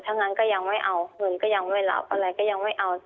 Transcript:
ทั้งนั้นก็ยังไม่เอาเงินก็ยังไม่หลับอะไรก็ยังไม่เอา